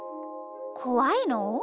こわいの？